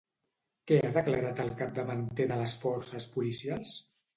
Què ha declarat el capdavanter de les forces policials?